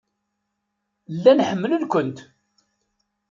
Llan ḥemmlen-kent.